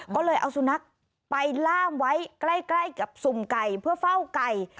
ก็เลยเอาสุนัขไปล่ามไว้ใกล้กับสุ่มไก่เพื่อเฝ้าไก่